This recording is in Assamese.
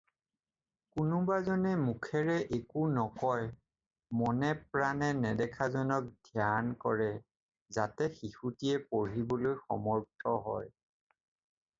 কোনোবাজনে মুখেৰে একো নকয়, মনে প্ৰাণে নেদেখাজনক ধ্যান কৰে যাতে শিশুটিয়ে পঢ়িবলৈ সমৰ্থ হয়।